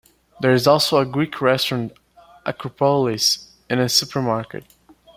There is also a Greek restaurant "Akropolis" and a supermarket.